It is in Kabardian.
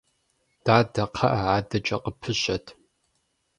Дадэ, кхъыӀэ, адэкӀэ къыпыщэт.